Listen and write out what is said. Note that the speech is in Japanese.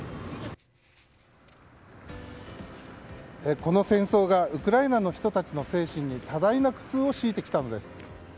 この戦争がウクライナの人たちの精神に多大な苦痛を強いてきたのです。